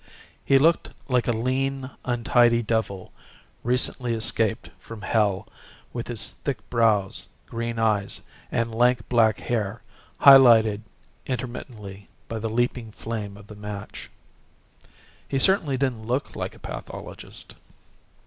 He looked like a lean untidy devil recently escaped from hell with his thick brows, green eyes and lank black hair highlighted intermittently by the leaping flame of the match. He certainly didn't look like a pathologist.